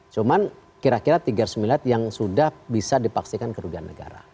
cuma kira kira tiga ratus miliar yang sudah bisa dipastikan kerugian negara